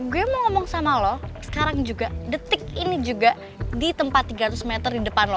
gue mau ngomong sama lo sekarang juga detik ini juga di tempat tiga ratus meter di depan lo